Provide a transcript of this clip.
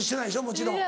もちろん。